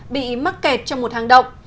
bị mắc kẹt trong một hàng động